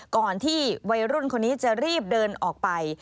ก่อนที่วัยรุ่นคนนี้จะรีบเดินออกไป